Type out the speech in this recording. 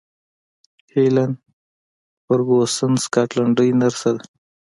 هیلن فرګوسن سکاټلنډۍ نرسه ده.